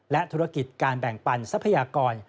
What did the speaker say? และธุรกิจการแบ่งปันทรัพยากร